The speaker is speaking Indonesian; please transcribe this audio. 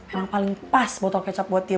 yang paling pas botol kecap buat dia